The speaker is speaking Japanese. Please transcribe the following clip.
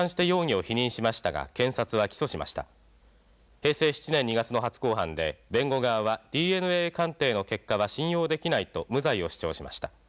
平成７年２月の初公判で弁護側はＤＮＡ鑑定の結果は信用できないと無罪を主張しました。